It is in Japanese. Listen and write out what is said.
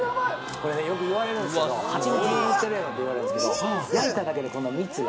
これね、よく言われるんですけど、蜂蜜塗ってるやろって言われるんですけど、焼いただけでこの蜜が。